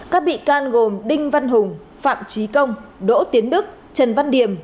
các bị can gồm đinh văn hùng phạm trí công đỗ tiến đức trần văn điểm